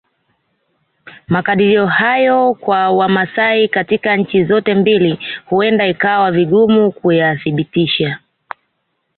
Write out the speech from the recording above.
Makadirio hayo ya Wamasai katika nchi zote mbili huenda ikawa vigumu kuyathibitisha